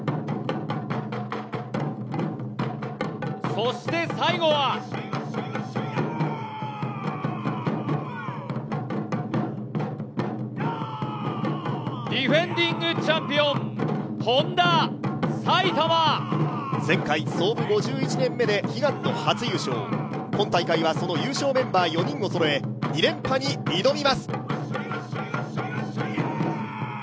そして最後はディフェンディングチャンピオン前回、創部５１年目で悲願の初優勝今大会はその優勝メンバー４人をそろえ２連覇に挑みます。